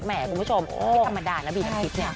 แหมคุณผู้ชมพี่ธรรมดานาบีนักศิษย์